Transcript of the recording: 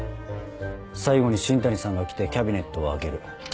最後に新谷さんが来てキャビネットを開ける。